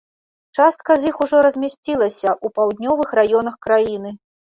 Частка з іх ужо размясцілася ў паўднёвых раёнах краіны.